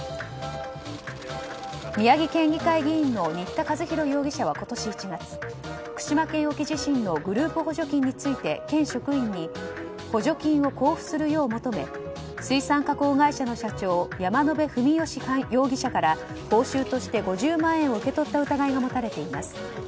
宮城県議会議員の仁田和廣容疑者は今年１月、福島県沖地震のグループ補助金について県職員に補助金を交付するよう求め水産加工会社の社長山野辺文幹容疑者から報酬として５０万円を受け取った疑いが持たれています。